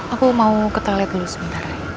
aku mau ke toilet dulu sebentar